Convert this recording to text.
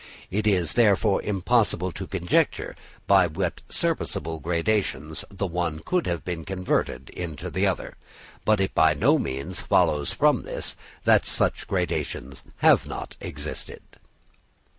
It is therefore impossible to conjecture by what serviceable gradations the one could have been converted into the other, but it by no means follows from this that such gradations have not existed.